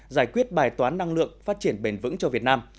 giải quyết bài toán năng lượng phát triển bền vững cho việt nam